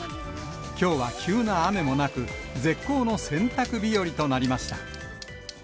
きょうは急な雨もなく、絶好の洗濯日和となりました。